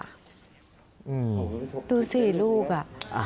อืมดูสิลูกอะ